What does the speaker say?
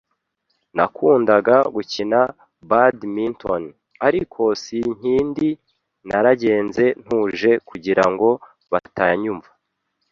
Nakundaga gukina badminton, ariko sinkindi. Naragenze ntuje kugira ngo batanyumva.